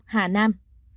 bốn hà nam